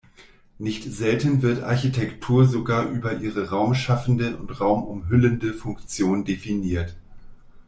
Nicht selten wird Architektur sogar über ihre Raum-schaffende und Raum-umhüllende Funktion definiert.